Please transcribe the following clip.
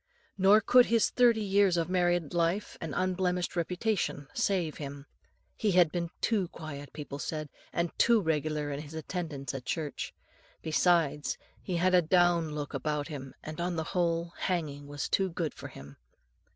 Nor could his thirty years of married life and unblemished reputation save him. He had been too quiet, people said, and too regular in his attendance at church; besides, he had a down look about him, and, on the whole, hanging was too good for him.